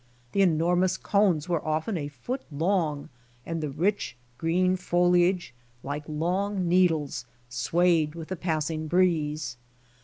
The enormous cones were often a foot long and the rich, green foliage, like long needles, swayed with the passing breeze.